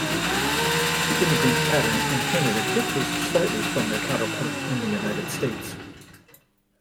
The immigrant pattern in Canada differs slightly from their counterpart in the United States.